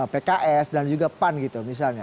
pks dan juga pan gitu misalnya